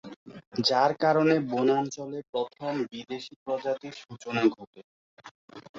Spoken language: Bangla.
যার কারণে বনাঞ্চলে প্রথম বিদেশি প্রজাতির সূচনা ঘটে।